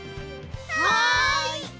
はい！